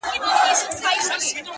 ویل ژر سه مُلا پورته سه کښتۍ ته!!